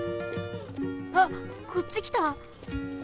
あっこっちきた！